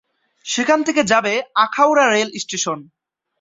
সেখান থেকে যাবে আখাউড়া রেল স্টেশন।